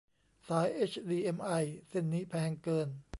สายเอชดีเอ็มไอเส้นนี้แพงเกิน